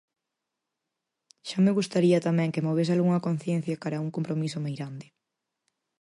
Xa me gustaría tamén que movese algunha conciencia cara a un compromiso meirande.